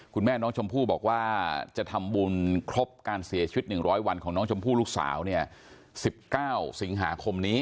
คุณแม่น้องชมพู่บอกว่าจะทำบุญครบการเสียชีวิต๑๐๐วันของน้องชมพู่ลูกสาวเนี่ย๑๙สิงหาคมนี้